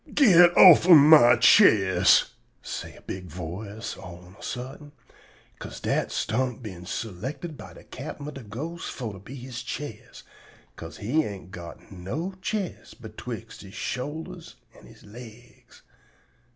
"Git offen my chest!" say a big voice all on a suddent, 'ca'se dat stump am been selected by de captain ob de ghostes for to be he chest, 'ca'se he ain't got no chest betwixt he shoulders an' he legs.